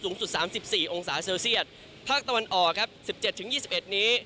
สูงสุดสามสิบสี่องศาเซลเซียตภาคตะวันอ่อครับสิบเจ็ดถึงยี่สิบเอ็ดนี้